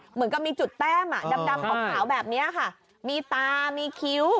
เหมือนกับมีจุดแต้มอ่ะดำขาวแบบนี้ค่ะมีตามีคิ้ว